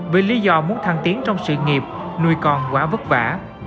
với lý do muốn thăng tiến trong sự nghiệp nuôi con quá vất vả